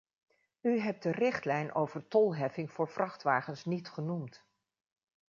U hebt de richtlijn over tolheffing voor vrachtwagens niet genoemd.